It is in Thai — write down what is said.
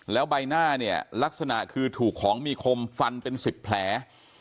แล้วใบหน้าเนี่ยลักษณะคือถูกของมีคมฟันเป็น๑๐แผล